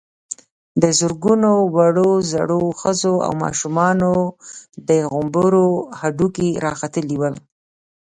د زرګونو وړو_ زړو، ښځو او ماشومانو د غومبرو هډوکي را ختلي ول.